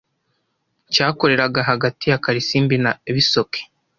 cyakoreraga hagati ya Karisimbi na Bisoke.